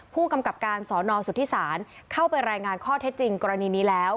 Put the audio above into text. ผู้กำกับการสอนอสุทธิศาลเข้าไปรายงานข้อเท็จจริงกรณีนี้แล้ว